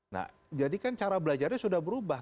nah jadi kan cara belajarnya sudah berubah